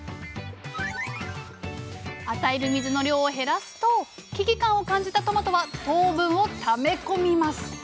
与える水の量を減らすと危機感を感じたトマトは糖分をため込みます。